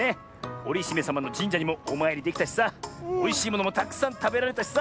おりひめさまのじんじゃにもおまいりできたしさおいしいものもたくさんたべられたしさ！